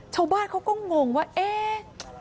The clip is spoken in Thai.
ชาวบ้านเขาก็งงว่าเอ๊ะ